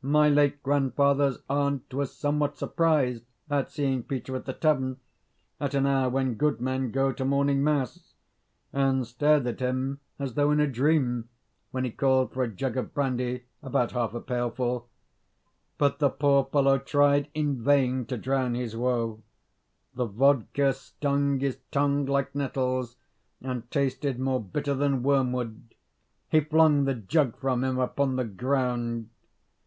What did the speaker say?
My late grandfather's aunt was somewhat surprised at seeing Peter at the tavern, at an hour when good men go to morning mass; and stared at him as though in a dream when he called for a jug of brandy, about half a pailful. But the poor fellow tried in vain to drown his woe. The vodka stung his tongue like nettles, and tasted more bitter than wormwood. He flung the jug from him upon the ground.